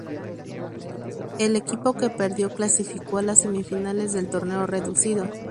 El equipo que perdió clasificó a las semifinales del "Torneo Reducido".